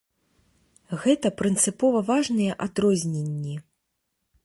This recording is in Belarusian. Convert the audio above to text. Гэта прынцыпова важныя адрозненні!